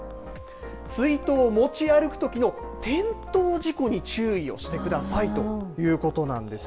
水筒を持ち歩くときの転倒事故に注意をしてくださいということなんです。